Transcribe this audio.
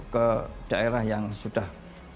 ke daerah yang sudah